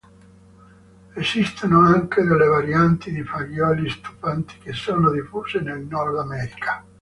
Esistono anche delle varianti di fagioli stufati che sono diffuse nel Nord America.